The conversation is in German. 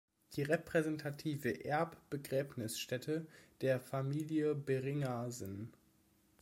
Die repräsentative Erbbegräbnisstätte der Familie Beringer sen.